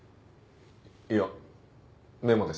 いやメモです。